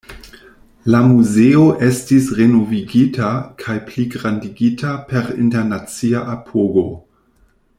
La muzeo estis renovigita kaj pligrandigita per internacia apogo.